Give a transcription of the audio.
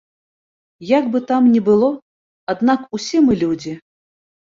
Як бы там не было, аднак усе мы людзі.